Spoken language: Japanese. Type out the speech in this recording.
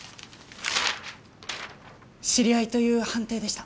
「知り合い」という判定でした。